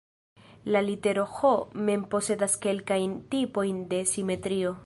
La litero "H" mem posedas kelkajn tipojn de simetrio.